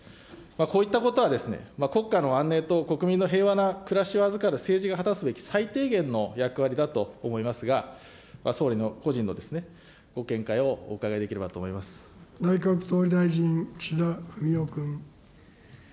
こういったことは、国家の安寧と国民の平和な暮らしを預かる政治が果たすべき最低限の役割だと思いますが、総理の個人のご見解をお伺いできればと思内閣総理大臣、岸田文雄君。